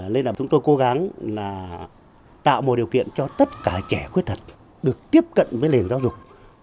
nên là chúng tôi cố gắng là tạo một điều kiện cho tất cả trẻ khuyết tật được tiếp cận với nền giáo dục